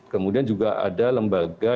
kemudian juga ada lembaga